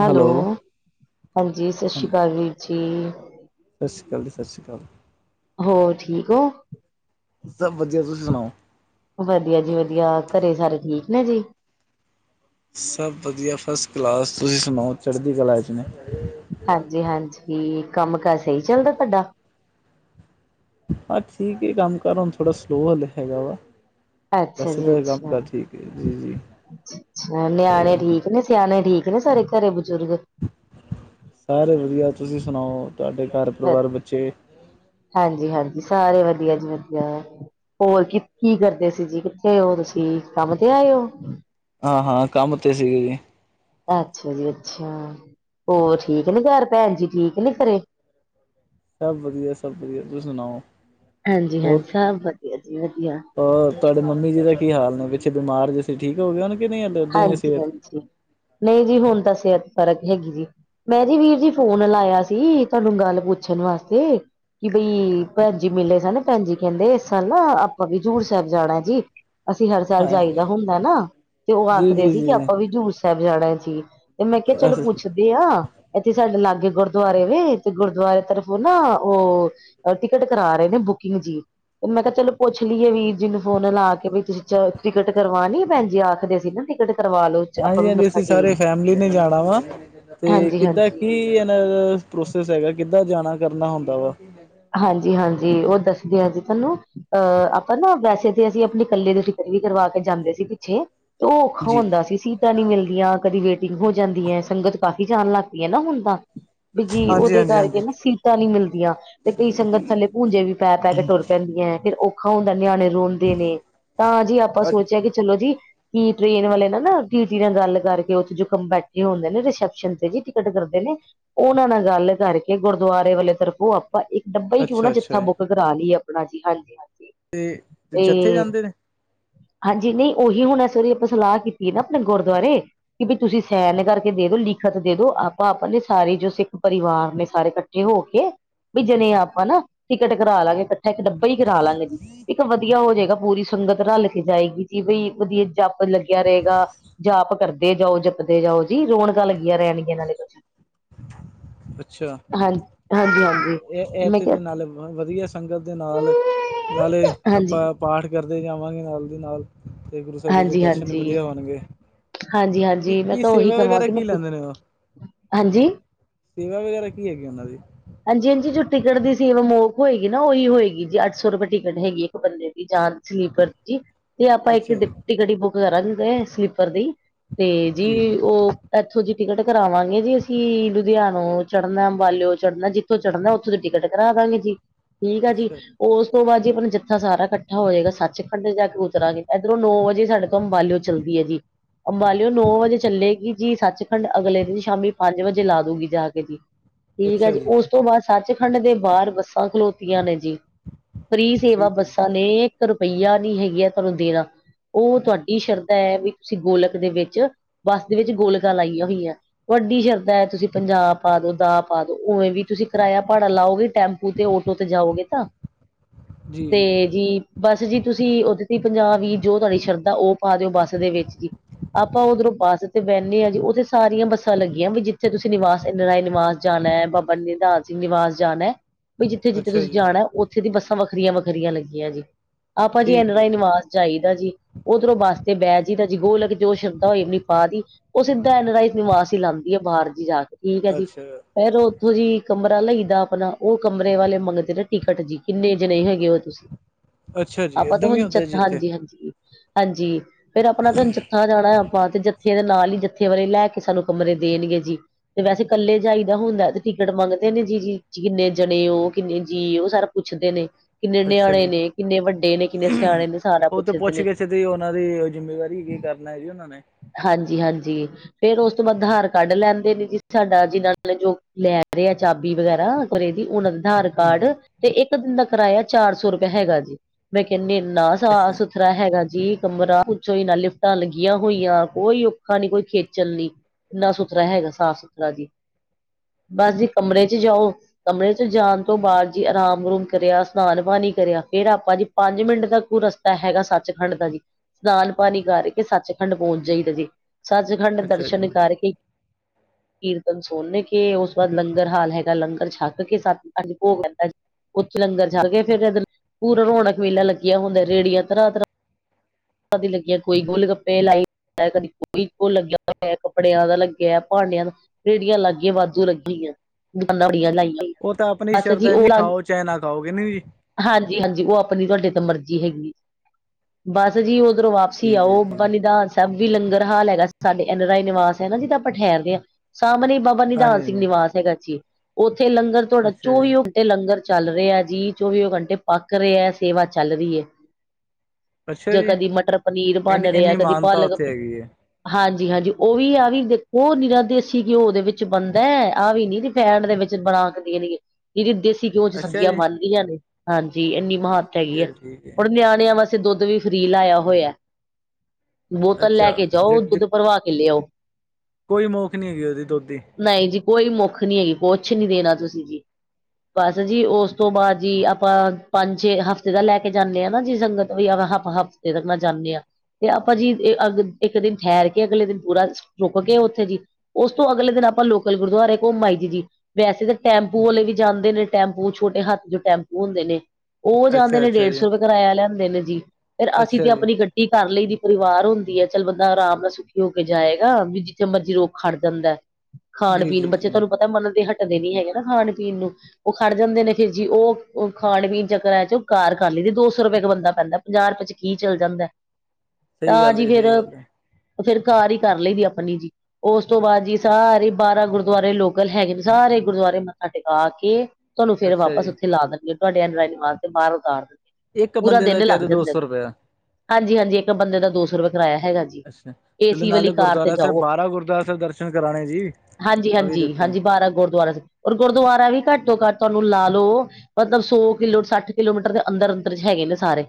Hello, ਹਾਂਜੀ ਸਸ ਰੀ ਕਾਲ ਵੀਰ ਜੀ। ਸਸੀ ਕਾਲ ਜੀ, ਸਸੀ ਕਾਲ। ਹੋਰ ਠੀਕ ਓ। ਸਭ ਵਧੀਆ, ਤੁਸੀਂ ਸਣਾਓ। ਵਧੀਆ ਜੀ ਵਧੀਆ, ਘਰੇ ਸਾਰੇ ਠੀਕ ਨੇ ਜੀ। ਸਭ ਵਧੀਆ ਫਸਟ ਕਲਾਸ, ਤੁਸੀ ਸੁਣਾਓ, ਚੜ੍ਹਦੀ ਕਲਾ ਚ ਨੇ। ਹਾਂਜੀ- ਹਾਂਜੀ, ਕੰਮ ਕਾਰ ਸਈ ਚੱਲਦਾ ਤਾਡਾ। ਆ ਠੀਕ ਏ ਕੰਮ ਕਾਰ, ਹੁਣ ਥੋੜ੍ਹਾ ਸਲੋਅ ਹਲੇ ਹੈਗਾ ਵਾ। ਅੱਛਾ ਵੈਸੇ ਜੀ ਤਾਂ ਕੰਮ ਅੱਛਾ, ਕਾਰ ਠੀਕ ਏ, ਜੀ ਜੀ ਅੱਛਾ ਨਿਆਣੇ ਹੋਰ ਠੀਕ ਨੇ ਸਿਆਣੇ ਠੀਕ ਨੇ, ਸਾਰੇ ਘਰੇ ਬਜ਼ੁਰਗ। ਸਾਰੇ ਵਧੀਆ, ਤੁਸੀਂ ਸਣਾਓ ਤੁਹਾਡੇ ਘਰ ਪਰਿਵਾਰ ਬੱਚੇ ਹਾਂਜੀ-ਹਾਂਜੀ, ਸਾਰੇ ਵਧੀਆ ਜੀ ਵਧੀਆ। ਹੋਰ ਕੀ- ਕੀ ਕਰਦੇ ਸੀ ਜੀ, ਕਿੱਥੇ ਹੋ ਤੁਸੀਂ, ਕੰਮ ਤੇ ਆਏ ਓ। ਹਾਂ- ਹਾਂ, ਕੰਮ ਤੇ ਸੀਗੇ ਜੀ। ਅੱਛਾ ਜੀ ਅੱਛਾ, ਹੋਰ ਠੀਕ ਨੇ ਘਰ ਭੈਣ ਜੀ, ਠੀਕ ਨੀ ਘਰੇ। ਸਭ ਵਧੀਆ- ਸਭ ਵਧੀਆ, ਤੁਸੀਂ ਸੁਣਾਓ ਹਾਂਜੀ ਹੋਰ -ਹਾਂਜੀ, ਸਭ ਵਧੀਆ ਜੀ ਵਧੀਆ। ਹੋਰ ਤੁਆਡੇ ਮੰਮੀ ਜੀ ਦਾ ਕੀ ਹਾਲ ਨੇ, ਪਿੱਛੇ ਬਿਮਾਰ ਜੇ ਸੀ ਠੀਕ ਹੋ ਗਏ ਹੁਣ ਕੇ ਨਈ, ਹਲੇ ਏਦਾ ਈ ਏ ਸਿਹਤ। ਨਈ ਜੀ, ਹੁਣ ਤਾਂ ਸਿਹਤ ਫਰਕ ਹੈਗੀ ਜੀ। ਮੈਂ ਜੀ ਵੀਰ ਜੀ ਫੋਨ ਲਾਇਆ ਸੀ, ਤੁਹਾਨੂੰ ਗੱਲ ਪੁੱਛਣ ਵਾਸਤੇ ਕਿ ਬਈ ਭੈਣ ਜੀ ਮਿਲੇ ਸਨ, ਭੈਣ ਜੀ ਕਹਿੰਦੇ ਸਨ ਆਪਾਂ ਵੀ ਹਜ਼ੂਰ ਸਾਹਿਬ ਜਾਣਾ ਜੀ। ਅਸੀਂ ਹਰ ਸਾਲ ਹਾਂ, ਜਾਈਦਾ ਹੁੰਦਾ ਨਾ, ਤੇ ਉਹ ਜੀ ਆਖਦੇ ਜੀ ਸੀ ਜੀ ਕਿ ਆਪਾਂ ਵੀ ਹਜੂਰ ਸਹਿਬ ਜਾਣਾ ਜੀ। ਤੇ ਮੈਂ ਕਿਹਾ ਚਲੋ ਜੀ। ਪੁੱਛ ਦੇ ਆਂ ਇੱਥੇ ਸਾਡੇ ਲਾਗੇ ਗੁਰਦੁਆਰੇ ਵੇ, ਤੇ ਗੁਰਦੁਆਰੇ ਤਰਫੋਂ ਨਾ ਉਹ ਟਿਕਟ ਕਰਾ ਰਹੇ ਨੇ, ਬੁਕਿੰਗ ਜੀ। ਮੈਂ ਕਿਹਾ ਚਲੋ ਪੁੱਛ ਲਈਏ ਵੀਰ ਜੀ ਨੂੰ ਫੋਨ ਲਾ ਕੇ ਵੀ ਤੁਸੀਂ ਚ ਟਿਕਟ ਕਰਵਾਣੀ ਆ ਭੈਣ ਜੀ ਵਾਸ ਦੇ ਸੀ ਨਾ ਟਿਕਟ ਕਰਵਾ ਲੋ। ਆਪਾਂ ਹਾਂਜੀ- ਵੀ ਹਾਂਜੀ ਮੱਥਾ ਅਸੀਂ ਸਾਰੇ ਟੇਕ ਫੈਮਲੀ ਨੇ ਜਾਣਾ ਵਾ, ਤੇ ਕਿੱਦਾਂ ਹਾਂਜੀ-ਹਾਂਜੀ, ਕੀ ਇਹਨਾ ਪ੍ਰੋਸੈਸ ਹੈਗਾ, ਕਿੱਦਾਂ ਜਾਣਾ ਕਰਨਾ ਹੁੰਦਾ ਵਾ। ਹਾਂਜੀ -ਹਾਂਜੀ ਉਹ ਦੱਸਦੇ ਹਾਂ ਜੀ, ਤੁਹਾਨੂੰ ਅਹ ਆਪਾਂ ਨਾ ਵੈਸੇ ਅਸੀਂ ਆਪਣੇ ਕੱਲੇ ਦੀ ਟਿਕਟ ਵੀ ਕਰਵਾ ਕੇ ਜਾਂਦੇ ਸੀ ਪਿੱਛੇ ਤੇ ਔਖਾ ਜੀ ਹੁੰਦਾ ਸੀ, ਸੀਟਾਂ ਨੀ ਮਿਲਦੀਆਂ, ਕਦੀ ਵੇ ਹੋ ਜਾਂਦੀ ਐ। ਸੰਗਤ ਕਾਫ਼ੀ ਜਾਨ ਲੱਗ ਪਈ ਐ ਨਾ ਹੁਨ ਤਾਂ, ਬੀ ਜੀ ਹਾਂਜੀ ਉਹਦੇ ਹਾਂਜੀ ਕਰਕੇ ਹਾਂਜੀ ਨਾ ਸੀ ਟਾਂ ਨੀ ਮਿਲਦੀਆਂ। ਤੇ ਕਈ ਸੰਗਤ ਥੱਲੇ ਭੂੰਜੇ ਵੀ ਪੈ-ਪੈ ਕੇ ਤੁਰ ਪੈਂਦੀਐ। ਫਿਰ ਔਖਾ ਹੁੰਦਾ ਨਿਆਣੇ ਰੋਂਦੇ ਨੇ, ਤਾਂ ਜੀ ਆਪਾਂ ਅ ਸੋਚਿਆ ਕਿ ਚਲੋ ਜੀ ਕਿ ਟ੍ਰੇਨ ਵਾਲੇ ਨਾ-ਨਾ ਟੀਟੀ ਨਾਲ ਗੱਲ ਕਰਕੇ, ਉੱਥੇ ਜੋ ਕਮ ਬੈਠੇ ਹੁੰਦੇ ਨੇ ਰਿਸੈਪਸ਼ਨ ਤੇ ਜੀ ਟਿਕਟ ਕਰਦੇ ਨੇ ਉਹਨਾਂ ਨਾਲ ਗੱਲ ਕਰਕੇ ਗੁਰਦੁਆਰੇ ਵਾਲੇ ਤਰਫੋਂ ਆਪ ਪਾਂ ਇੱਕ ਡੱਬਾ ਈ ਕਿਉਂ ਨਾ ਅੱਛਾ ਅੱਛਾ ਜਿੱਥਾ ਜੀ ਬੁੱਕ ਕਰਾ ਲਈਏ ਆਪਣਾ ਜੀ ਹਾਂਜੀ-ਹਾਂਜੀ। ਤੇ ਜ ਜਥੇ ਜਾਂਦੇ ਨੇ? ਹਾਂਜੀ, ਨਹੀਂ ਉਹੀ ਹੁਨ ਇਸ ਵਾਰੀ ਆਪਾਂ ਸਲਾਹ ਕੀਤੀ ਐ ਨਾ ਆਪਣੇ ਗੁਰਦੁਆਰੇ ਕਿ ਬੀ ਤੁਸੀਂ ਸੈਨ ਕਰਕੇ ਦੇ ਦੋ, ਲਿਖਤ ਦੇ ਦੋ, ਆਪਾਂ ਆਪਨੇ ਸਾਰੇ ਜੋ ਸਿੱਖ ਪਰਿਵਾਰ ਨੇ ਸਾਰੇ ਇਕੱਠ ਠੇ ਹੋ ਕੇ, ਬੀ ਜਣੇ ਆਪਾਂ ਨਾ, ਟਿਕਟ ਕਰਾਲਾਂਗੇ ਕਠ ਠਾ ਇੱਕ ਡੱਬਾ ਈ ਕਰਾ ਲਾਂਗੇ ਜੀ। ਇੱਕ ਵਧੀਆ ਹੋ ਜਾਏਗਾ ਪੂਰੀ ਸੰਗਤ ਰਲ ਕੇ ਜਾਏਗੀ ਜੀ, ਬਈ ਵਧੀਆ ਜਪ ਲੱਗਿਆ ਰੇਗਾ। ਜਾਪ ਕਰਦੇ ਜਾਓ, ਜਪਦੇ ਜਾਓ ਜੀ ਰੋਣਕਾਂ ਲੱਗੀਆਂ ਰੇਣਗੀਆਂ ਨਾਲੇ ਕੁਛ ਅੱਛਾ। ਹਾਂਜ, ਹਾਂਜੀ ਹਾਂ। ਇ ਇਹ ਇਥੇ ਦੇ ਨਾਲੇ ਵਧੀਆ ਸੰਗਤ ਦੇ ਨਾਲ, ਨਾਲੇ ਹਾਂਜੀ ਹਾਂਜੀ ਆਪਾਂ ਪਾਠ ਕਰਦੇ ਜਾਵਾਂਗੇ ਨਾਲ ਦੀ ਨਾਲ, ਤੇ ਗੁਰੂ ਸਾਹਿਬ ਜੀ ਦੇ ਦਰਸ਼ਨ ਵੀ ਹਾਂਜੀ ਵਧੀਆ ਹੋਨਗੇ। ਹਾਂਜੀ ਹਾਂਜੀ ਮੈਂ ਕੀ-ਕੀ ਤਾਂ ਉਹੀ ਸੇਵਾ ਕਵਾਂ ਵਗੈਰਾ ਕਿ ਮੈਂ ਕੀ ਪੁ- ਲੈਂਦੇ ਨੇ ਉਹ ਹਾਂਜੀ ਸੇਵਾ ਵਗੈਰਾ ਕੀ ਹੈਗੀ ਉਹਨਾਂ ਦੀ? ਹਾਂਜੀ-ਹਾਂਜੀ ਜੋ ਟਿਕਟ ਦੀ ਸੀਮ ਮੌਕ ਹੋਏਗੀ ਨਾ, ਉਹੀ ਹੋਏਗੀ ਜੀ ਅੱਠ ਸੌ ਰੁਪਏ ਟਿਕਟ ਹੈਗੀ। ਬੰਦੇ ਦੀ ਜਾਨ ਸਲੀਕਰ ਜੀ ਤੇ ਆਪਾਂ ਇੱਕ ਅੱਛਾ ਟੀ ਜੀ ਟਿਕਟ ਈ ਬੁੱਕ ਕਰਾਂਗੇ ਸਲੀਪਰ ਦੀ, ਤੇ ਜੀ ਉਹ ਇੱਥੋਂ ਜੀ ਟਿਕਟ ਕਰਾਵਾਂਗੇ ਜੀ ਅਸੀਂ, ਲੁਧਿਆਨੋ ਚੜ੍ਹਨਾ ਅਮਬਾਲਿਓ ਚੜ੍ਹਨਾ ਜਿੱਥੋਂ ਚੜ੍ਹਨਾ ਉੱਥੋਂ ਦੀ ਟਿਕਟ ਕਰਾ ਦਾਂਗੇ ਜੀ, ਠੀਕ ਆ ਜੀ। ਅੱਛਾ ਓਸ ਤੋਂ ਬਾਅਦ ਜੀ ਆਪਨਾ ਜੱਥਾ ਸਾਰਾ ਇਕੱਠਾ ਹੋਏਗਾ ਸੱਚਖੰਡ ਜਾ ਕੇ ਉਤਰਾਂਗੇ, ਇੱਧਰੋਂ ਨੌ ਵਜੇ ਸਾਡ ਅੰਮਬਾਲਿਓ ਚੱਲਦੀ ਐ ਜੀ। ਅੰਮਬਾਲੀਓ ਨੌ ਵਜੇ ਚੱਲੇਗੀ ਜੀ ਸੱਚਖੰਡ ਅਗਲੇ ਦਿਨ ਸ਼ਾਮੀ ਪੰਜ ਵਜੇ ਲਾ ਦੂਗੀ ਜਾ ਕੇ ਜੀ। ਠੀਕ ਆ ਜੀ। ਉਸ ਤੋਂ ਬਾਦ ਸੱਚਖੰਡ ਦੇ ਬਾਰ ਬੱਸਾਂ ਖਲੋਤੀਆਂ ਨੇ ਜੀ। ਫ੍ਰੀ ਸੇਵਾ ਠੀਕ ਬੱਸਾਂ ਹੈ ਨੇ, ਇੱਕ ਰੁਪਈਆ ਨੀ ਹੈਗੀਆ ਤਾਨੂੰ ਦੇਨਾ। ਉਹ ਤੁਹਾਡੀ ਸ਼ਰਧਾ ਐ ਵੀ ਤੁਸੀਂ ਗੋਲਕ ਦੇ ਵਿੱਚ ਬੱਸ ਦੇ ਵਿੱਚ ਗੋਲਕਾਂ ਲਾਈਆਂ ਹੋਈਆਂ। ਤੂਹਾਡੀ ਸ਼ਰਧਾ ਐ ਤੁਸੀਂ ਪੰਜਾਬ ਪਾ ਦੋ ਦਾ ਪਾ ਦੋ। ਉਵੇਂ ਵੀ ਤੁਸੀਂ ਕਿਰਾਇਆ ਭਾੜਾ ਲਾਓਗੇ ਟੈਂਪ ਪੂ ਤੇ ਆਟੋ ਤੇ ਜਾਓਗੇ ਤਾਂ, ਤੇ ਜੀ। ਬੱਸ ਜੀ ਤੁਸੀਂ ਉਦੇ ਤੇ ਈ ਪੰਜਾਹ ਵੀ ਜੋ ਤੁਹਾਡੀ ਸ਼ਰਧਾ ਉਹ ਪਾ ਦਿਓ ਬੱਸ ਦੇ ਵਿੱਚ ਜੀ। ਆਪਾਂ ਉੱਧਰੋਂ ਬੱਸ ਤੇ ਬੈਨੇ ਆਂ ਜੀ, ਉੱਥੇ ਸਾਰੀਆਂ ਬੱਸਾਂ ਲੱਗੀਆਂ ਵੀ ਜਿੱਥੇ ਤੁਸੀਂ ਨਿਵਾਸ ਇੰਨ ਰਾਏ ਨਿਵਾਸ ਜਾਨਾਏ, ਬਾਬਾ ਨਿਧਾਨ ਸਿੰਘ ਨਿਵਾਸ ਜਾਨਾਏ, ਵੀ ਜਿੱਥੇ-ਜਿੱਥੇ ਅੱਛਾ ਤੁਸੀਂ ਜੀ, ਜਾਨਾਏ ਉੱਥੇ ਇੱਥੇ ਦੀ ਬੱਸਾਂ ਵੱਖਰੀਆਂ-ਵੱਖਰੀਆਂ ਲੱਗੀਆਂ ਜੀ। ਆਪਾਂ ਜੀ ਠੀਕ ਹੈ ਏਨਰਾ ਜੀ। ਨਿਵਾਸ ਜਈਦਾ ਜੀ। ਓਧਰੋਂ ਬੱਸ ਤੇ ਬਹਿ ਜਈਦਾ ਜੀ, ਗੋਲੱਕ ਜੋ ਸ਼ਰਧਾ ਹੋਏਨੀ ਪਾ ਦੀ। ਉਹ ਸਿੱਧਾ ਐਨਾਰਾਈ ਨਿਵਾਸ ਈ ਲਾਂਦੀ ਐ। ਬਾਹਰ ਜੀ ਜਾ ਕੇ ਠੀਕ ਐ ਜੀ। ਅੱਛਾ, ਫੇਰ ਉੱਥੋਂ ਜੀ ਕਮਰਾ ਲਈ ਦਾ ਆਪਨਾ, ਉਹ ਕਮਰੇ ਵਾਲੇ ਮੰਗਦੇ ਨੇ ਟਿਕਟ ਜੀ, ਕਿੰਨੇ ਜਨੇ ਹੈਗੇ ਓ ਤੁਸੀਂ। ਅੱਛਾ ਜੀ ਆਪਾਂ ਤੇ ਏਦਾਂ ਵੀ ਹੁਨ ਚ ਹੁੰਦਾ ਜੀ ਇੱਥੇ, ਹਾਂਜੀ-ਹਾਂਜੀ। ਹਾਂਜੀ, ਫੇਰ ਆਪਨਾ ਤੇ ਹੁਨ ਜੱਥਾ ਜਾਣਾ ਆਪਾਂ ਤੇ ਜ ਥੇ ਦੇ ਨਾਲ ਈ ਜੱਥੇ ਵਰੇ ਲੈ ਕੇ ਸਾਨੂੰ ਕਮਰੇ ਦੇਨਗੇ ਜੀ। ਤੇ ਵੈਸੇ ਕੱਲੇ ਜਾਈਦਾ ਹੁੰਦਾ ਤੇ ਟਿਕਟ ਮੰਗਦੇ ਨੇ ਜੀ-ਜੀ। ਜੀ ਕਿੰਨੇ ਜਨੇ ਓ, ਕਿੰਨੇ ਜੀ ਓ ਸਾਰਾ ਪੁੱਛਦੇ ਨੇ। ਕਿੰਨੇ ਅੱਛਾ ਨਿਆਨੇ ਜੀ। ਨੇ, ਕਿੰਨੇ ਵੱਡੇ ਨੇ, ਕਿੰਨੇ ਸਿਆਣੇ ਨੇ ਸਾਰਾ ਉਹ ਤੇ ਪੁੱਛਦੇ ਪੁੱਛ ਨੇ। ਲੈ ਜੀ ਉਹਨਾਂ ਨੇ ਹਾਂਜੀ-ਹਾਂਜੀ ਫੇਰ ਉਸ ਤੋਂ ਬਾਦ ਧਾਰ ਕਾਰਡ ਲੈਂਦੇ ਨੇ ਜੀ ਸਾਡਾ ਜਿਨਾਂ ਲਬ ਜੋ ਲੈ ਰੇ ਆ ਚਾਬੀ ਵਗੈਰਾ ਕਮਰੇ ਦੀ, ਉਹਨਾਂ ਦਾ ਆਧਾਰ ਹੂੰ, ਕਾਰਡ ਹੂੰ ਤੇ ਇੱਕ ਦਿਨ ਦਾ ਕਿਰਾਇਆ ਚਾਰ ਸੌ ਰੁਪਇਆ ਹੈਗਾ ਜੇ। ਮੈਂ ਕੇਨੀ ਆ ਇਨਾ ਅੱਛਾ। ਸਾਫ਼-ਸੁਥ ਖਰਾ ਹੈਗਾ ਜੀ, ਕਮਰਾ ਪੁਛੋ ਈ ਨਾ ਲਿਫਟਾਂ ਲੱਗੀਆਂ ਹੋਈਆਂ, ਕੋਈ ਔਖਾ ਨੀ ਕੋਈ ਖੇਚਲ ਨੀ। ਇੰਨਾ ਸੁਥਰਾ ਹੈਗਾ ਸਾਫ਼ ਸੁਥਰਾ ਜੀ। ਬਸ ਜੀ, ਕਮਰੇ ਚ ਜਾਓ। ਕਮਰੇ ਚ ਜਾਣ ਤੋਂ ਬਾਅਦ ਜੀ, ਆਰਾਮ ਆਰੂਮ ਕਰਿਆ, ਸਨਾਨ ਪਾਣੀ ਕਰਿਆ ਫੇਰ ਆਪਾਂ ਜੀ। ਪੰਜ ਮਿੰਟ ਤੱਕ, ਉਹ ਰਸਤਾ ਹੈਗਾ ਸੱਚਖੰਡ ਦਾ ਜੀ। ਦਾਲ ਪਾਣੀ ਕਰਕੇ, ਸੱਚਖੰਡ ਪਹੁੰਚ ਜਾਈਦਾ ਜੀ। ਸੱੱਚਖੰਡ ਅੱਛਾ ਜੀ, ਦਰਸ਼ਨ ਕਰਕੇ, ਕੀਰਤਨ ਸੁਣ ਸੁਨ ਕੇ ਉਸ ਤੋਂ ਬਾਅਦ ਲੰਗਰ ਹਾਲ ਹੈਗਾ, ਲੰਗਰ ਛੱਕ ਕੇ ਸੱਤ ਕੁ ਅਠ ਭੋਗ ਪੈਂਦਾ। ਉੱਥੇ ਲੰਗਰ ਛੱਕ ਕੇ, ਫਿਰ ਇੱਧਰ ਪੂੂਰਾ ਰੌਣਕ ਮੇਲਾ ਲੱਗਿਆ ਹੁੰਦਾ, ਰੇੜੀਆਂ ਤੇ ਰਾਤ- ਰਾਤ। ਤਰਾਂ ਦੀ ਲੱਗੀਆਂ, ਕੋਈ ਗੋਲ- ਗੱਪੇ ਲਾਈ। ਕਦੀ ਕੋਈ ਕੋ ਲੱਗਿਆ ਹੋਇਆ, ਕੱਪੜਿਆਂ ਦਾ ਲੱਗਿਆ, ਭਾਂਡਿਆਂ ਦਾ। ਰੇੜੀਆਂ ਲੱਗ ਗਈਆਂ, ਵਾਧੂ ਲੱਗ ਗਈਆਂ, ਦੁਕਾਨਾਂ ਬੜੀਆਂ ਲਾਈਆਂ। ਉਹ ਤਾਂ ਆਪਣੀ ਬਸ ਸ਼ਰਧਾ ਹੈ ਉਹ ਜੀ, ਖਾਓ ਚਾਹੇ ਨਾ ਖਾਓ, ਕੇ ਨਹੀਂ ਜੀ। ਹਾਂਜੀ- ਹਾਂਜੀ, ਉਹ ਆਪਣੀ ਤੁਹਾਡੇ ਤਾਂ ਮਰਜ਼ੀ ਹੈਗੀ, ਬਸ ਜੀ ਉਧਰੋਂ ਤੁਸੀਂ ਠੀਕ ਹੈ ਆਓ, ਜੀ। ਬਾਬਾ ਨਿਧਾਨ ਸਿੰਘ ਸਭ ਵੀ ਲੰਗਰ ਹਾਲ ਹੈਗਾ, ਸਾਡੇ ਐਨ- ਆਰ -ਆਈ, ਨਿਵਾਸ ਹੈ ਨਾ ਜਿੱਥੇ ਆਪਾਂ ਠਹਿਰਦੇ ਆ, ਸਾਹਮਣੇ ਬਾ ਬਾਬਾ ਨਿਧਾਨ ਹਾਂਜੀ, ਸਿੰਘ ਹਾਂਜੀ ਨਿਵਾਸ ਹੈਗਾ ਜੀ, ਉੱਥੇ ਲੰਗਰ ਤੁਹਾਡਾ ਅੱਛਾ ਜੀ, ਚੌਵੀ ਲੰਗਰ ਚੱਲ ਰਿਹਾ ਆ ਜੀ, ਚੌਵੀ ਘੰਟੇ ਪੱਕ ਰਿਹਾ ਹੈ, ਸੇਵਾ ਚੱਲ ਰਹੀ ਹੈ। ਅੱਛਾ ਜਾ ਜੀ ਕਦੀ ਮਟਰ ਪਨੀਰ ਬਣ ਇੰਨੀ ਰਿਹਾ ਹੈ, ਇੰਨੀ ਕਦੀ ਮਾਨਤਾ ਪਾਲਕ ਉੱਥੇ ਹੈਗੀ ਹੈ। ਹਾਂਜੀ -ਹਾਂਜੀ, ਉਹ ਵੀ ਆਹ ਵੀ ਦੇਖੋ ਨਿਰਾ ਦੇਸੀ ਘਿਓ ਦੇ ਵਿੱਚ ਬਣਦਾ ਹੈ। ਆਹ ਵੀ ਨੀ ਫੈੰਡ ਦੇ ਵਿੱਚ ਬਣਾ ਕੇ ਦੇਣਗੇ। ਨਿਰੀ ਦੇਸੀ ਘਿਉ ਚ ਅੱਛਾ ਸਬਜ਼ੀਆਂ ਜੀ, ਬਨ ਰਹੀਆਂ ਨੇ, ਹਾਂਜੀ ਇੰਨੀ ਮਹਾਨਤ ਠੀਕ ਹੈਗੀ ਹੈ। ਠੀਕ ਹੈ ਹੁਣ ਨਿਆਣਿਆਂ ਵਾਸਤੇ ਇੱਥੇ, ਦੁੱਧ ਵੀ ਫਰੀ ਲਾਇਆ ਹੋਇਆ। ਬੋਤਲ ਲੈ ਅੱਛਾ ਕੇ ਜ ਜਾਓ, ਜ ਦੁੱਧ ਭਰਵਾ ਕੇ ਲਿਆਓ। ਕੋਈ ਮੌਖ ਨਹੀਂ ਹੈਗੀ, ਉਹਦੀ ਦੁੱਧ ਦੀ। ਨਹੀਂ ਜੀ, ਕੋਈ ਮੁੱਖ ਨੀ ਹੈਗੀ, ਕੁੱਛ ਨੀ ਦੇਣਾ ਤੁਸੀਂ ਜੀ। ਬਸ ਜੀ, ਉਸ ਤੋਂ ਬਾਅਦ ਜੀ ਆਪਾਂ ਪੰਜ ਛੇ ਹਫ਼ਤੇ ਦਾ ਲੈ ਕੇ ਜਾਂਦੇ ਹਾਂ ਨਾ ਜੀ ਸੰਗਤ ਵੀ। ਹਫ਼ਤੇ, ਤੱਕ ਮੈ ਜਾਂਦੀ ਹਾਂ। ਤੇ ਆਪਾਂ ਜੀ ਅ ਇੱਕ ਦਿਨ ਠਹਿਰ ਕੇ, ਅਗਲੇ ਦਿਨ ਪੂਰਾ ਰੁੱਕ ਕੇ ਉੱਥੇ ਜੀ। ਉਸ ਤੋਂ ਅਗਲੇ ਦਿਨ, ਆਪਾਂ ਲੋਕਲ ਗੁਰਦੁਆਰੇ ਘੁੰਮ ਆਏ ਜੀ। ਵੈਸੇ ਤਾਂ ਟੈਂਪੂ ਵਾਲੇ ਵੀ ਜਾਂਦੇ ਨੇ, ਟੈਂਪੂ ਛੋਟੇ ਹਾਥੀ ਜੋ ਟੈਂਪੂ ਹੁੰਦੇ ਨੇ। ਉਹ ਜਾਂਦੇ ਅੱਛਾ, ਨੇ, ਅੱਛਾ ਡੇਢ ਜੀ, ਸੌ ਰੁਪਏ ਕਿਰਾਇਆ ਲੈਂਦੇ ਨੇ ਜੀ। ਫਿਰ ਅਸੀਂ ਅੱਛਾ ਤੇ ਜੀ, ਆਪਣੀ ਗੱਡੀ ਕਰ ਲਈ ਦੀ ਪਰਿਵਾਰ ਹੁੰਦੀ ਹੈ, ਚੱਲ ਬੰਦਾ ਆਰਾਮ ਨਾਲ ਸੁਖੀ ਹੋ ਕੇ ਜਾਏਗਾ, ਵੀ ਜਿੱਥੇ ਮਰਜ਼ੀ ਰੋੱਖ ਖੜ ਜਾਂਦਾ। ਖਾਣ- ਜੀ, ਪੀਣ ਜੀ, ਬੱਚੇ ਜੀ ਤੁਹਾਨੂੰ ਪਤਾ ਮੰਨਦੇ ਹਟਦੇ ਨਹੀਂ ਹੈਗੇ, ਖਾਣ- ਪੀਣ ਨੂ ਉਹ ਖੜ ਜਾਂਦੇ ਨੇ ਫਿਰ ਜੀ, ਉਹ ਖਾਣ- ਪੀਣ ਚੱਕਰਾਂ ਚ, ਕਾਰ ਕਰ ਲਈ ਦੋ ਸੌ ਰੁਪਏ ਇੱਕ ਬੰਦਾ ਪੈਂਦਾ। ਪੰਜਾਹ ਰੁਪਏ ਚ ਕੀ ਚਲੇ ਜਾਂਦਾ, ਸਹੀ ਤਾਂ ਗੱਲ ਜੀ ਹੈ, ਫਿਰ ਸਹੀ ਗੱਲ ਹੈ, ਫਿਰ ਕਾਰ ਹੀ ਕਰ ਲਈ ਦੀ, ਆਪਣੀ ਜੀ। ਉਸ ਤੋਂ ਬਾਅਦ ਜੀ, ਸਾਰੇ ਬਾਰਾਂ ਗੁਰਦੁਆਰੇ ਲੋਕਲ ਹੈਗੇ ਨੇ ਸਾਰੇ ਗੁਰਦੁਆਰੇ ਮੱਥਾ ਟਿਕਾ ਕੇ। ਤੁਹਾਨੂੰ ਫੇਰ ਅੱਛਾ ਜੀ। ਵਾਪਸ ਉਥੇ ਲਾ ਦੇਣਗੇ, ਤੁਹਾਡੇ ਐਨ - ਆਰ-ਆਈ ਨਿਵਾਸ ਦੇ ਬਾਹਰ ਉਤਾਰ ਦੇਣਗੇ। ਇੱਕ ਪੂਰਾ ਬੰਦੇ ਦਾ ਦਿਨ ਕਹਿ ਲੱਗ ਦੋ, ਦੋ ਜਾਂਦਾ ਸੌ ਰੁਪਇਆ। ਹਾਂਜੀ -ਹਾਂਜੀ, ਇੱਕ ਬੰਦੇ ਦਾ ਦੋ ਸੌ ਰੁਪਇਆ ਕਿਰਾਇਆ ਹੈਗਾ ਜੀ। ਅੱਛਾ ਚਲੋ ਏਸੀ ਵਾਲੀ ਨਾਲੇ, ਕਾਰ ਤੇ ਗੁਰਦੁਆਰਾ ਸਾਹਿਬ ਜਾਓ ਬਾਰਾਂ ਗੁਰਦੁਆਰਾ ਸਾਹਿਬ ਦਰਸ਼ਨ ਕਰਾਣੇ ਜੀ। ਹਾਂਜੀ ਆ ਵੀ -ਹਾਂਜੀ, ਦੇਖੋ ਹਾਂਜੀ ਬਾਰਾਂ ਗੁਰਦੁਆਰਾ ਸਾਹਿਬ, ਔਰ ਗੁਰਦੁਆਰਾ ਵੀ ਘੱਟ ਤੋਂ ਘੱਟ ਤੁਹਾਨੂੰ ਲਾ ਲਓ ਮਤਲਬ ਸੌ ਕਿਲੋ, ਸੱਠ ਕਿਲੋਮੀਟਰ ਦੇ ਅੰਦਰ -ਅੰਦਰ ਚ, ਹੈਗੇ ਨੇ ਸਾਰੇ।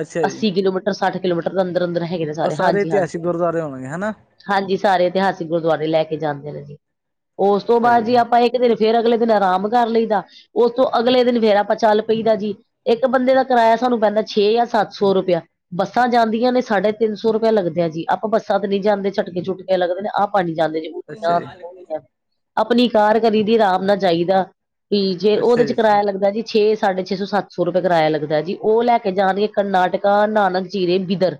ਅੱਛਾ ਜੀ ਅੱਸੀ ਕਿਲੋਮੀਟਰ, ਸੱਠ ਕਿਲੋਮੀਟਰ ਦੇ ਅੰਦਰ- ਅੰਦਰ ਹੈਗੇ ਨੇ ਉਹ ਸਾਰੇ ਹਾਂਜੀ- ਹਾਂਜੀ। ਇਤਿਹਾਸਿਕ ਗੁਰਦੁਆਰੇ ਹੋਣਗੇ ਹਨਾ ਹਾਂਜੀ, ਸਾਰੇ ਇਤਿਹਾਸਿਕ ਗੁਰਦੁਆਰੇ ਲੈ ਕੇ ਜਾਂਦੇ ਨੇ ਜੀ, ਉਸ ਤੋਂ ਬਾਅਦ ਜੀ ਆਪਾਂ ਇੱਕ ਫੇਰ, ਅਗਲੇ ਦਿਨ ਆਰਾਮ ਕਰ ਲਈਦਾ। ਉਸ ਤੋਂ ਅਗਲੇ ਦਿਨ ਫੇਰਾ ਆਪਾਂ ਚੱਲ ਪਈਦਾ ਜੀ, ਇੱਕ ਬੰਦੇ ਦਾ ਕਿਰਾਇਆ ਸਾਨੂੰ ਪੈਂਦਾ ਛੇ ਜਾ ਸੱਤ ਸੌ ਰੁਪਇਆ। ਬੱਸਾਂ ਜਾਂਦੀਆਂ ਨੇ, ਸਾਢੇ ਤਿੰਨ ਸੌ ਰੁਪਇਆ ਲੱਗਦਾ ਆ ਜੀ, ਆਪਾਂ ਬੱਸਾਂ ਤੇ ਨੀ ਜਾਂਦੇ ਝਟਕੇ -ਝੁਟਕੇ ਲੱਗਦੇ ਨੇ, ਆਪਾਂ ਨਹੀਂ ਜਾਂਦੇ ਜੀ ਅੱਛਾ ਜੀ। ਆਪਣੀ ਕਾਰ ਕਰੀ ਦੀ ਆਰਾਮ ਨਾਲ ਜਾਹੀਦਾ ਵੀ ਜੇ ਅੱਛਾ ਉਹਦੇ ਚ ਜੀ ਅੱਛਾ ਕਿਰਾਇਆ ਲੱਗਦਾ ਜੀ ਛੇ ਸਾਢੇ ਛੇ ਸੌ ਸੱਤ ਸੌ ਰੁਪਏ ਕਿਰਾਇਆ ਲਗਦਾ ਜੀ ਉਹ ਲੈ ਜਾਨੇ ਕਰਨਾਟਕਾ ਨਾਨਕ ਜੀਰੇ ਬਿਦਰ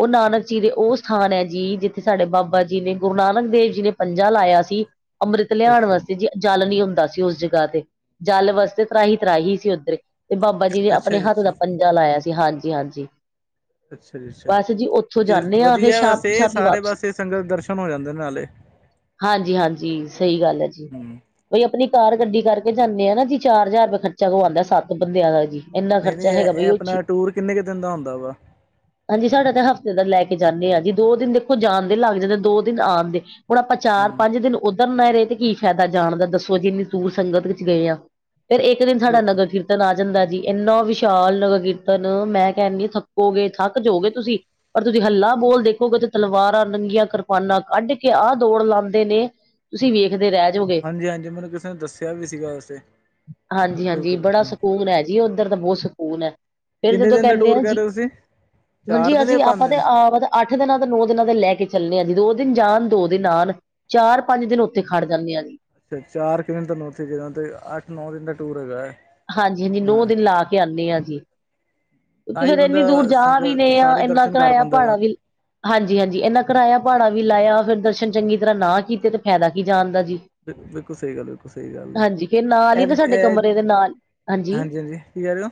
ਉਹ ਨਾਨਕ ਜੀ ਦੇ ਉਹ ਸਥਾਨ ਹੈ ਜੀ ਜਿੱਥੇ ਸਾਡੇ ਬਾਬਾ ਜੀ ਨੇ ਗੁਰੂ ਨਾਨਕ ਦੇਵ ਜੀ ਨੇ ਪੰਜਾ ਲਾਇਆ ਸੀ ਅੰਮ੍ਰਿਤ ਲਿਆਉਣ ਅੱਛਾ ਵਾਸਤੇ ਜੀ ਜਲ ਨੀ ਹੁੰਦਾ ਸੀ ਉਸ ਜਗ੍ਹਾ ਤੇ ਜਲ ਵਾਸਤੇ ਤਰਾਹੀ ਤਰਾਹੀ ਸੀ ਉੱਧਰੇ ਤੇ ਬਾਬਾ ਜੀ ਨੇ ਅੱਛਾ ਆਪਣੇ ਹੱਥ ਦਾ ਅੱਛਾ ਪੰਜਾ ਲਾਇਆ ਸੀ ਹਾਂਜੀ ਹਾਂਜੀ। ਅੱਛਾ ਜੀ ਅੱਛਾ ਬਸ ਜੀ ਉੱਥੋਂ ਤੇ ਜਾਂਦੇ ਹਾਂ ਫਿਰ ਵਧੀਆ ਸ਼ਾਮ ਬਸੇ ਸ਼ਾਮੀ ਸਾਰੇ ਵਾਪਸੀ ਬਸੇ ਸੰਗਤ ਦਰਸ਼ਨ ਹੋ ਜਾਂਦੇ ਨਾਲੇ ਹਾਂਜੀ ਹਾਂਜੀ ਸਹੀ ਗੱਲ ਹੈ ਜੀ। ਹਮ ਬਈ ਆਪਣੀ ਕਾਰ ਗੱਡੀ ਕਰਕੇ ਜਾਂਦੇ ਆ ਨਾ ਜੀ ਚਾਰ ਹਜ਼ਾਰ ਰੁਪਏ ਖਰਚਾ ਕਵਾਉਂਦਾ ਸੱਤ ਬੰਦਿਆਂ ਦਾ ਜੀ। ਇੰਨਾ ਨਹੀਂ ਨਹੀਂ ਖਰਚਾ ਹੈਗਾ ਇਹ ਬਾਈ ਚੀ ਆਪਣਾ ਟੂਰ ਕਿੰਨੇ ਕੁ ਦਿਨ ਦਾ ਹੁੰਦਾ ਵਾ ਹਾਂਜੀ ਸਾਡਾ ਤਾਂ ਹਫ਼ਤੇ ਦਾ ਲੈ ਕੇ ਜਾਂਦੇ ਹਾਂ ਜੀ ਦੋ ਦਿਨ ਦੇਖੋ ਜਾਣਦੇ ਲੱਗ ਜਾਂਦੇ ਦੋ ਦਿਨ ਆਉਣ ਦੇ ਹੁਣ ਆਪਾਂ ਚਾਰ ਹਮ ਪੰਜ ਦਿਨ ਉੱਧਰ ਨਾ ਰਹੇ ਤੇ ਕੀ ਫਾਇਦਾ ਜਾਣਦਾ ਦੱਸੋ ਜੇ ਇੰਨੀ ਦੂਰ ਸੰਗਤ ਵਿੱਚ ਗਏ ਆ ਫਿਰ ਇੱਕ ਦਿਨ ਸਾਡਾ ਨਗਰ ਕੀਰਤਨ ਆ ਜਾਂਦਾ ਜੀ ਇੰਨਾ ਵਿਸ਼ਾਲ ਨਗਰ ਕੀਰਤਨ ਨ ਮੈਂ ਕਹਿਣ ਦੇ ਥੱਕੋਗੇ ਥੱਕ ਜਾਓਗੇ ਤੁਸੀਂ ਪਰ ਤੁਸੀਂ ਹੱਲਾ ਬੋਲ ਦੇਖੋਗੇ ਤੇ ਤਲਵਾਰਾਂ ਨੰਗੀਆਂ ਕਰਪਾਨਾਂ ਕੱਢ ਕੇ ਆਹ ਦੌੜ ਲਾਉਂਦੇ ਨੇ ਤੁਸੀਂ ਵੇਖਦੇ ਰਹਿ ਹਾਂਜੀ ਹਾਂਜੀ ਮੈਨੂੰ ਕਿਸੇ ਨੇ ਦੱਸਿਆ ਵੀ ਸੀਗਾ ਵੈਸੇ ਹਾਂਜੀ ਹਾਂਜੀ ਬਿਲਕੁਲ ਬੜਾ ਬਿਲਕੁਲ ਸਕੂਨ ਹੈ ਜੀ। ਜੀ ਉੱਧਰ ਦਾ ਬਹੁਤ ਸਕੂਨ ਹੈ। ਫਿਰ ਕਿੰਨੇ ਜਦੋਂ ਦਿਨ ਦਾ ਕਹਿੰਦੇ ਟੂਰ ਆਂ ਕਹਿ ਜੀ ਰਹੇ ਹੋ ਤੁਸੀਂ ਹੁਣਜੀ ਚਾਰ ਦਿਨ ਜਾਂ ਅਸੀਂ ਪੰਜ ਆਪਾਂ ਤੇ ਦਿਨ ਆਪਦਾ ਅੱਠ ਦਿਨਾਂ ਦਾ ਨੌ ਦਿਨਾਂ ਦੇ ਲੈ ਕੇ ਚੱਲਣੇ ਹਾਂ ਜੀ ਦੋ ਦਿਨ ਜਾਣ ਦੋ ਦਿਨ ਆਉਣ ਚਾਰ ਪੰਜ ਦਿਨ ਉੱਥੇ ਖੜ ਜਾਂਦੇ ਆ ਜੀ ਅੱਛਾ ਚਾਰ ਕੁ ਦਿਨ ਤੁਹਾਨੂੰ ਉੱਥੇ ਜਾ ਤੇ ਅੱਠ ਨੌ ਦਿਨ ਦਾ ਟੂਰ ਹੈਗਾ ਹੈ। ਹਾਂਜੀ ਹਾਂਜੀ ਨੌ ਹਾਂ ਦਿਨ ਲਾ ਕੇ ਆਉਂਦੇ ਹਾਂ ਜੀ ਕਿਉਂਕਿ ਤਾਂ ਹੀ ਫੇਰ ਬੰਦਾ ਇੰਨੀ ਦੂਰ ਜਾ ਵੀ ਨੇ ਸੰਗਤ ਆ ਸਾਰੇ ਇੰਨਾ ਦਰਸ਼ਨ ਕਰ ਕਰਾਇਆ ਪਾਉਂਦਾ ਵਾ ਭਾੜਾ ਵੀ ਹਾਂਜੀ ਹਾਂਜੀ ਇਹਨਾ ਕਰਾਇਆ ਭਾੜਾ ਵੀ ਲਾਇਆ ਫਿਰ ਦਰਸ਼ਨ ਚੰਗੀ ਤਰ੍ਹਾਂ ਨਾ ਕੀਤੇ ਤੇ ਫਾਇਦਾ ਕੀ ਜਾਣ ਦਾ ਜੀ, ਬਿਲਕੁਲ ਸਹੀ ਗੱਲ ਬਿਲਕੁਲ ਸਹੀ ਗੱਲ ਹਾਂਜੀ ਹੈ ਫੇਰ ਨਾਲ ਹੀ ਤੇ ਇਹ ਸਾਡੇ ਇਹ ਕਮਰੇ ਦੇ ਨਾਲ ਹਾਂਜੀ ਕੀ ਕਹਿ ਰਹੇ ਹੋ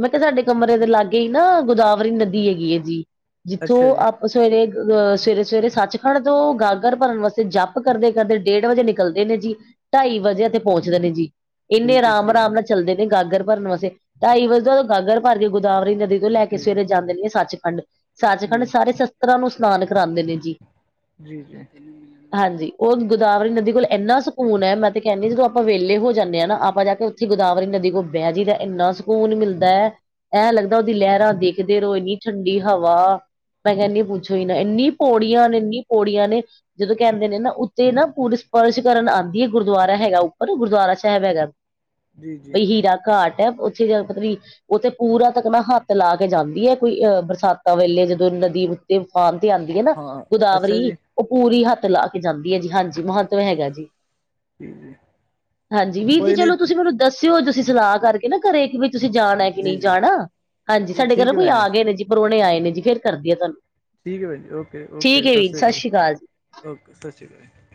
ਮੈਂ ਕਿਹਾ ਸਾਡੇ ਕਮਰੇ ਦੇ ਲਾਗੇ ਹੀ ਨਾ ਗੋਦਾਵਰੀ ਨਦੀ ਹੈਗੀ ਹੈ ਜੀ, ਜਿੱਥੋਂ ਅੱਛਾ ਜੀ ਆਪ ਸਵੇਰੇ ਅਹ ਸਵੇਰੇ ਸਵੇਰੇ ਸੱਚਖੰਡ ਤੋਂ ਗਾਗਰ ਭਰਨ ਵਾਸਤੇ ਜੱਪ ਕਰਦੇ ਕਰਦੇ ਡੇਢ ਵਜੇ ਨਿਕਲ ਚੱਲਦੇ ਨੇ ਜੀ ਢਾਈ ਵਜੇ ਤੇ ਪਹੁੰਚਦੇ ਨੇ ਜੀ ਇੰਨੇ ਠੀਕ ਹੈ ਆਰਾਮ ਠੀਕ ਆਰਾਮ ਹੈ ਨਾਲ ਚੱਲਦੇ ਨੇ ਗਾਗਰ ਭਰਨ ਵਾਸਤੇ ਢਾਈ ਵਜੇ ਗਾਗਰ ਭਰਕੇ ਗੋਦਾਵਰੀ ਨਦੀ ਤੋਂ ਲੈ ਕੇ ਜੀ ਸਵੇਰੇ ਜਾਂਦੇ ਨੇ ਸੱਚਖੰਡ ਸੱਚਖੰਡ ਜੀ ਸਾਰੇ ਸ਼ਸਤਰਾਂ ਨੂੰ ਇਸ਼ਨਾਨ ਕਰਾਉਂਦੇ ਨੇ ਜੀ, [inaudible] ਹਾਂਜੀ ਉਹ ਗੋਦਾਵਰੀ ਨਦੀ ਕੋਲ ਇੰਨਾ ਸਕੂਨ ਹੈ। ਮੈਂ ਤੇ ਕਹਿੰਦੀ ਜਦੋਂ ਆਪਾਂ ਵੇਲੇ ਹੋ ਜਾਂਦੇ ਹਾਂ ਨਾ ਆਪਾਂ ਜਾ ਕੇ ਗੋਦਾਵਰੀ ਨਦੀ ਕੋਲ ਬਹਿ ਜੀਦਾ ਇੰਨਾ ਸਕੂਨ ਮਿਲਦਾ ਹੈ ਐ ਲੱਗਦਾ ਉਹਦੀ ਲਹਿਰਾਂ ਦੇਖਦੇ ਰਹੋ, ਏਨੀ ਠੰਡੀ ਹਵਾ। ਮੈਂ ਕਹਿੰਦੀ ਆ, ਪੁੱਛੋ ਹੀ ਨਾ, ਇੰਨੀ ਪੌੜੀਆਂ ਨੇ, ਇੰਨੀ ਪੌੜੀਆਂ ਨੇ! ਜਦੋਂ ਕਹਿੰਦੇ ਨੇ ਨਾ ਉੱਤੇ ਨਾ ਪੂਰੇ ਸਪਰਸ਼ ਕਰਨ ਆਂਦੀ ਐ ਗੁਰਦੁਆਰਾ ਹੈਗਾ ਉੱਪਰ, ਗੁਰਦੁਆਰਾ ਸਾਹਿਬ ਹੈਗਾ। ਜੀ ਜੀ ਬਈ ਹੀਰਾ ਘਾਟ ਹੈ, ਉੱਥੇ ਜਾਕੇ ਪਤਾ ਨੀ ਉੱਥੇ ਪੂਰਾ ਤੱਕ ਨਾ ਹੱਥ ਲਾ ਕੇ ਜਾਂਦੀ ਹੈ ਕੋਈ ਅਹ ਬਰਸਾਤਾਂ ਵੇਲੇ ਜਦੋਂ ਨਦੀ ਤੇ ਤੂਫਾਨ ਤੇ ਆਂਦੀ ਹੈ ਨਾ ਹਾਂ ਅੱਛਾ ਗੋਦਾਵਰੀ, ਜੀ ਉਹ ਪੂਰੀ ਹੱਥ ਲਾ ਕੇ ਜਾਂਦੀ ਹੈ ਜੀ, ਹਾਂਜੀ ਮੋਹ ਤੇ ਹੈਗਾ ਜੀ, ਜੀ ਜੀ ਹਾਂਜੀ ਵੀਰ ਜੀ ਕੋਈ ਨਹੀਂ ਚਲੋ ਤੁਸੀਂ ਮੈਨੂੰ ਦੱਸਿਓ ਤੁਸੀਂ ਸਲਾਹ ਕਰਕੇ ਨਾ ਘਰੇ ਕਿ ਬਈ ਤੁਸੀਂ ਜਾਣਾ। ਹੈ ਜੀ ਨਹੀਂ ਜੀ ਜਾਣਾ, ਹਾਂਜੀ ਜੀ ਸਾਡੇ ਘਰ ਨਾ ਠੀਕ ਹੈ ਕੋਈ ਭੈਣ ਆ ਗਏ ਨੇ ਜੀ ਪ੍ਰੋਨੇ ਆਏ ਨੇ ਜੀ ਫੇਰ ਕਰਦੀ ਆ ਤੁਹਾਨੂੰ। ਠੀਕ ਹੈ ਭੈਣ ਜੀ, ਓਕੇ-ਓਕੇ, ਠੀਕ ਹੈ ਸਤਿ ਵੀਰ ਸ਼੍ਰੀ ਅਕਾਲ ਜੀ ਓਕੇ ਸਤਿ ਸ਼੍ਰੀ ਅਕਾਲ ਜੀ।